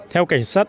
theo cảnh sát